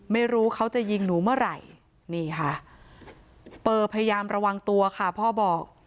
ไม่รู้เขาจะยิงหนูเมื่อไหร่นี่ค่ะเปอร์พยายามระวังตัวค่ะพ่อบอก